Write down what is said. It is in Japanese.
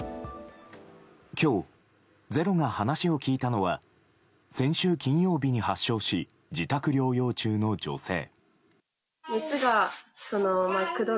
今日、「ｚｅｒｏ」が話を聞いたのは先週金曜日に発症し自宅療養中の女性。